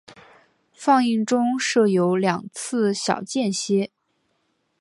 放映中设有两次小间歇。